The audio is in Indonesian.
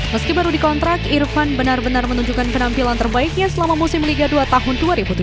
meski baru dikontrak irfan benar benar menunjukkan penampilan terbaiknya selama musim liga dua tahun dua ribu tujuh belas